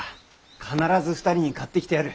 必ず２人に買ってきてやる。